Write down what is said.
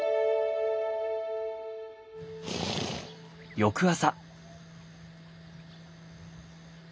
翌朝。